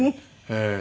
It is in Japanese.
ええ。